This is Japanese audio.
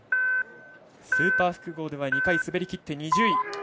スーパー複合では２回滑りきって２０位。